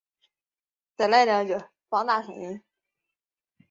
罹难者多为左翼团体全国甘蔗农联合会的成员。